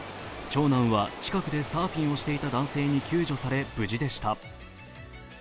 長男は近くでサーフィンをしていた男性に救助され、無事でした。